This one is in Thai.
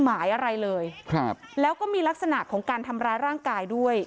ไม่ใช่ไม่ใช่ไม่ใช่ไม่ใช่